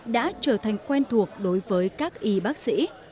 đã trở thành quen thuộc đối với các y bác sĩ